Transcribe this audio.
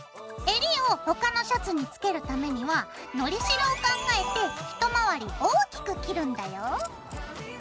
えりを他のシャツにつけるためにはのりしろを考えてひと回り大きく切るんだよ。